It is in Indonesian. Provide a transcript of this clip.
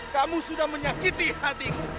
kamu sudah menyakiti hatiku